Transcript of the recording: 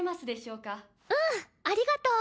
うんありがとう。